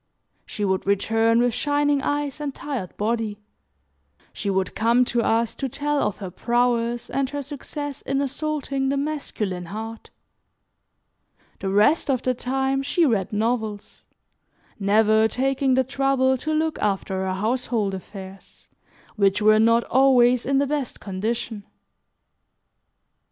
She would return with shining eyes and tired body; she would come to us to tell of her prowess, and her success in assaulting the masculine heart. The rest of the time she read novels, never taking the trouble to look after her household affairs, which were not always in the best condition.